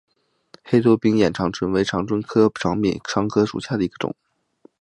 黑头柄眼长蝽为长蝽科柄眼长蝽属下的一个种。